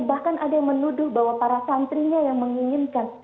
bahkan ada yang menuduh bahwa para santrinya yang menginginkan